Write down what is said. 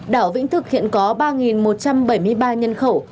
đảo vĩnh thực hiện có ba một trăm bảy mươi ba nhân khẩu